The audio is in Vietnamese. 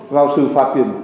vào sự phát triển